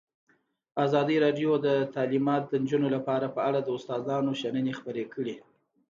ازادي راډیو د تعلیمات د نجونو لپاره په اړه د استادانو شننې خپرې کړي.